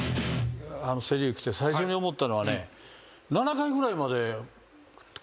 セ・リーグ来て最初に思ったのはね。